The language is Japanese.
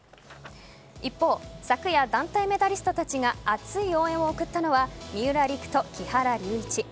一方、昨夜団体メダリストたちが熱い応援を送ったのは三浦璃来と木原龍一。